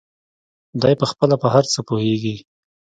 دى پخپله په هر څه پوهېږي.